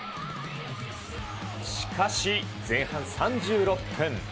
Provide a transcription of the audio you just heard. しかし、前半３６分。